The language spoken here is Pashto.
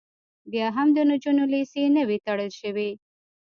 بیا هم د نجونو لیسې نه وې تړل شوې